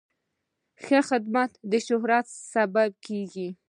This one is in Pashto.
ښه خدمت د شهرت سبب کېږي.